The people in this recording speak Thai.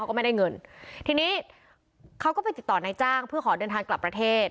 วันนี้เขาก็ไปติดต่อนายจ้างเพื่อขอเดินทางกลับประเทศ